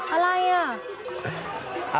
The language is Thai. อะไรอ่ะ